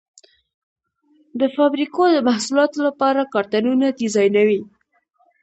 د فابریکو د محصولاتو لپاره کارتنونه ډیزاینوي.